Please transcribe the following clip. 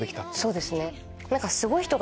そうですね。